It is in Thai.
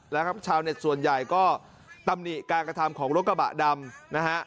และชาวแน็ตส่วนใหญ่ก็ตำหนิการกระทำของรถกระบะดำ